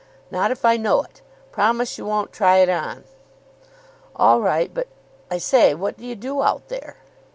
"Not if I know it. Promise you won't try it on." "All right. But, I say, what do you do out there?"